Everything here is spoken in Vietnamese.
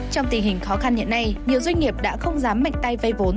trong tình hình khó khăn hiện nay nhiều doanh nghiệp đã không dám mạnh tay vây vốn